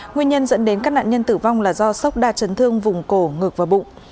nguyên nhân dẫn đến các nạn nhân tử vong là do sốc đạt chấn thương vùng cổ ngược vào bụng